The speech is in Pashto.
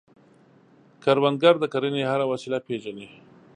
کروندګر د کرنې هره وسیله پېژني